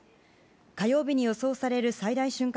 火曜日に予想される最大瞬間